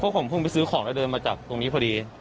ผมเพิ่งไปซื้อของแล้วเดินมาจากตรงนี้พอดี